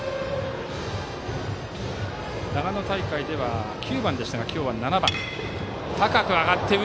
長野大会では９番でしたが今日は７番。